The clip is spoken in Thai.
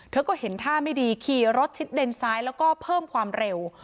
เธอก็เห็นท่าไม่ดีขี่รถชิดเลนซ้ายแล้วก็เพิ่มความเร็ว